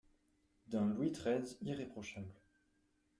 D'un Louis treize irréprochable.